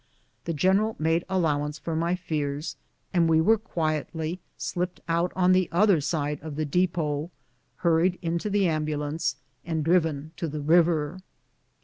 The general made allow OUR NEW HOME AT FORT LINCOLN. 07 ance for my fears, and we were quietly slipped out on the other side of the depot, hurried into the ambu lance, and driven to the river.